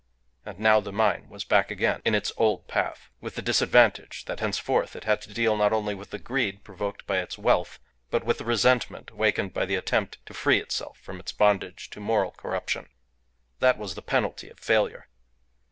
And now the mine was back again in its old path, with the disadvantage that henceforth it had to deal not only with the greed provoked by its wealth, but with the resentment awakened by the attempt to free itself from its bondage to moral corruption. That was the penalty of failure.